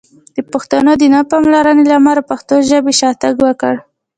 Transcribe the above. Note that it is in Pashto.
د پښتنو د نه پاملرنې له امله پښتو ژبې شاتګ وکړ!